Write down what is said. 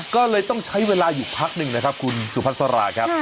ก็เลยต้องใช้เวลาอยู่พักหนึ่งนะครับคุณสุพัสราครับ